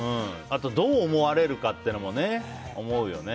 あと、どう思われるかっていうのも思うよね。